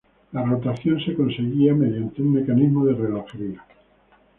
La rotación se conseguía mediante un mecanismo de relojería.